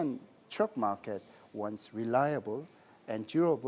ingin truk berwarranty dan berjuruh